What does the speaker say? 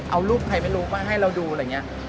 เอารูปใครไม่รู้ก็ให้เราดูอะไรเงี้ย